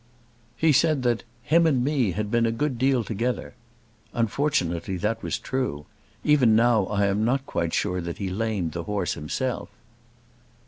"He said that 'him and me had been a good deal together.' Unfortunately that was true. Even now I am not quite sure that he lamed the horse himself."